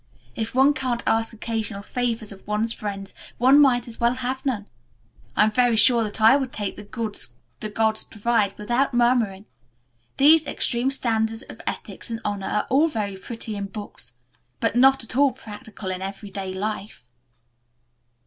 "If one can't ask occasional favors of one's friends one might as well have none. I am very sure that I would take the goods the gods provide without murmuring. These extreme standards of ethics and honor are all very pretty in books, but not at all practical in every day life."